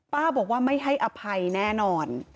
บอกว่าไม่ให้อภัยแน่นอน